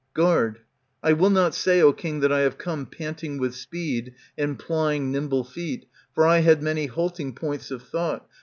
Guard, I will not say, O king, that I have come Panting with speed, and plying nimble feet. For I had many halting points of thought.